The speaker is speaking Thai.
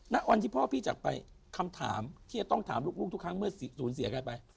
ณวันที่พ่อพี่จากไปคำถามที่จะต้องถามลูกทุกครั้งเมื่อสูญเสียกันไป